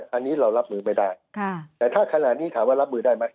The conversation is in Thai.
อันนี้เรารับมือไม่ได้แต่ถ้าขนาดนี้ถามว่ารับมือได้ไหม